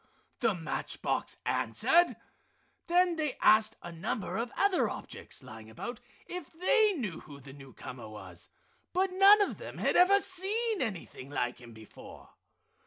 the match box answered. Then they asked a number of other objects lying about if they knew who the newcomer was, but none of them had ever seen anything like him before.